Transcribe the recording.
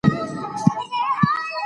د چا افکار لوړ نه سي کیدای؟